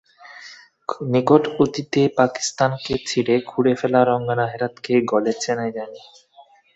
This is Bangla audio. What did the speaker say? নিকট অতীতে পাকিস্তানকে ছিঁড়ে খুঁড়ে ফেলা রঙ্গনা হেরাথকে গলে চেনাই যায়নি।